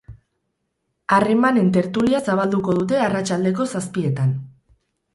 Harremanen tertulia zabalduko dute arratsaldeko zazpietan.